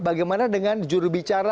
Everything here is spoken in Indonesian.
bagaimana dengan jurubicara